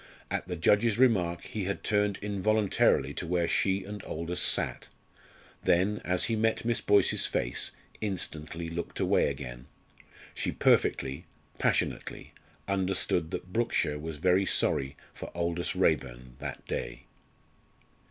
At the judge's remark he had turned involuntarily to where she and Aldous sat; then, as he met Miss Boyce's face, instantly looked away again. She perfectly passionately understood that Brookshire was very sorry for Aldous Raeburn that day.